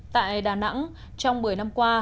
tại đà nẵng trong một mươi năm qua